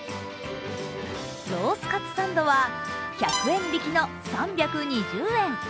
ロースカツサンドは１００円引きの３２０円。